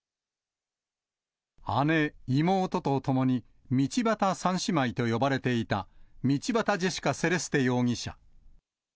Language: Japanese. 姉、妹とともに、道端３姉妹と呼ばれていた道端ジェシカ・セレステ容疑者。